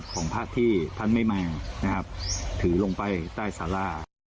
ของพระที่พันธุ์ไม่มีถือลงไปใต้สาร่า